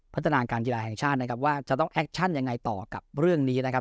พัฒนาการกีฬาแห่งชาตินะครับว่าจะต้องแอคชั่นยังไงต่อกับเรื่องนี้นะครับ